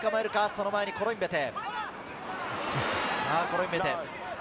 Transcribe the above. その前にコロインベテ。